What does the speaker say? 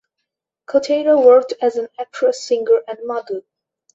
Kotero worked as an actress, singer and model.